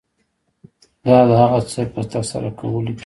دا د هغه څه په ترسره کولو کې وي.